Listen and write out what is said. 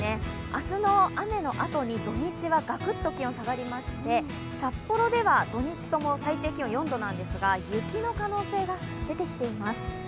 明日の雨のあとに土日はガクッと気温が下がりまして、札幌では土日とも最低気温４度なんですが雪の可能性が出てきています。